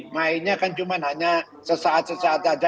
mainnya kan cuma hanya sesaat sesaat saja